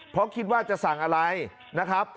เพราะคิดว่าจะสั่งอะไรนะครับ